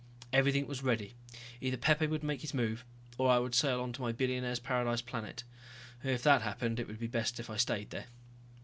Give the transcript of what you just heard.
Everything was ready. Either Pepe would make his move or I would sail on to my billionaire's paradise planet. If that happened, it would be best if I stayed there.